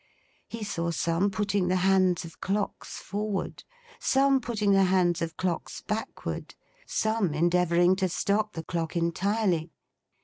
He saw some putting the hands of clocks forward, some putting the hands of clocks backward, some endeavouring to stop the clock entirely.